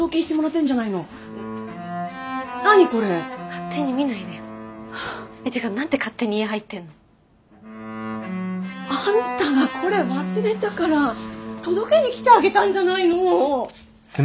っていうか何で勝手に家入ってんの？あんたがこれ忘れたから届けに来てあげたんじゃないの。